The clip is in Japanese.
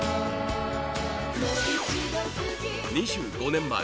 ２５年前